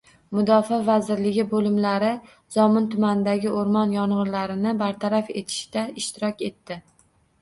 Mudofaa vazirligi bo‘linmalari Zomin tumanidagi o‘rmon yong‘inlarini bartaraf etishda ishtirok etdi